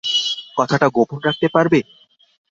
কথাটা গোপন রাখতে পারবে?